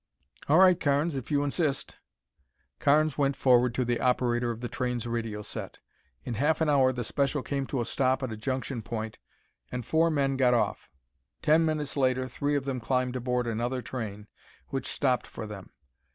"All right, Carnes, if you insist." Carnes went forward to the operator of the train's radio set. In half an hour the special came to a stop at a junction point and four men got off. Ten minutes later three of them climbed aboard another train which stopped for them.